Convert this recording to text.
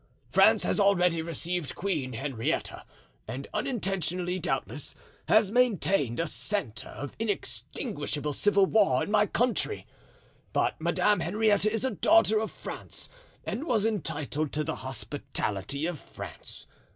France has already received Queen Henrietta, and, unintentionally, doubtless, has maintained a centre of inextinguishable civil war in my country. But Madame Henrietta is a daughter of France and was entitled to the hospitality of France.